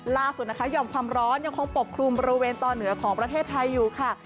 ล่าสุดนะคะห่อมความร้อนยังคงปกคลุมบริเวณตอนเหนือของประเทศไทยอยู่ค่ะ